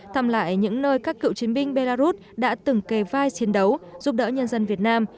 thăm lại những nơi các cựu chiến binh belarus đã từng kề vai chiến đấu giúp đỡ nhân dân việt nam